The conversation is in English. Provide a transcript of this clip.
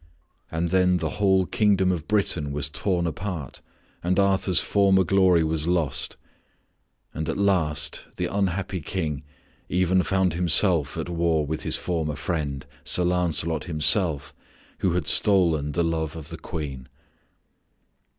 And then the whole kingdom of Britain was torn apart and Arthur's former glory was lost; and at last the unhappy King even found himself at war with his former friend, Sir Lancelot himself, who had stolen the love of the Queen.